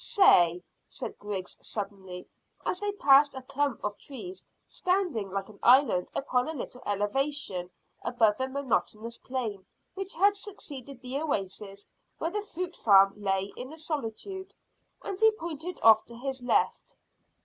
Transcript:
"Say," said Griggs suddenly, as they passed a clump of trees standing like an island upon a little elevation above the monotonous plain which had succeeded the oasis where the fruit farm lay in the solitude, and he pointed off to his left.